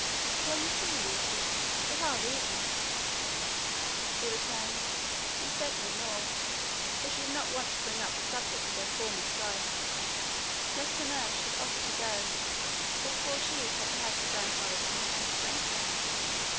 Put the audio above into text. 'Well, you see, Lootie, there are reasons,' she returned, and said no more, for she did not want to bring up the subject of their former strife, lest her nurse should offer to go before she had had her grandmother's permission to bring her.